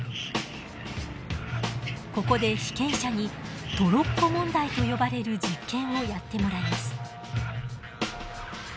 ここで被験者にトロッコ問題と呼ばれる実験をやってもらいます。